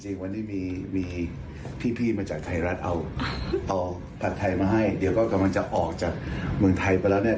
จริงวันนี้มีพี่มาจากไทยรัฐเอาเอาผัดไทยมาให้เดี๋ยวก็กำลังจะออกจากเมืองไทยไปแล้วเนี่ย